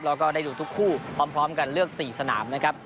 แล้วก็ได้ดูทุกคู่พร้อมกันเลือก๔สนามนะครับ